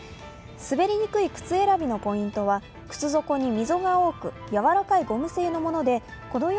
滑りにくい靴選びのポイントは靴底に溝が多く柔らかいゴム製のものです。